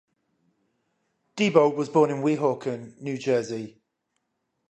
Diebold was born in Weehawken, New Jersey.